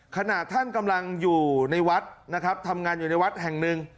ขณะท่านกำลังอยู่ในวัดนะครับทำงานอยู่ในวัดแห่งหนึ่ง